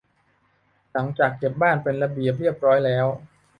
หลังจากเก็บบ้านเป็นระเบียบเรียบร้อยแล้ว